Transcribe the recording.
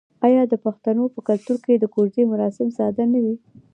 آیا د پښتنو په کلتور کې د کوژدې مراسم ساده نه وي؟